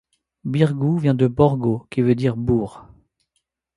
Birgu vient du Borgo qui veut dite bourg.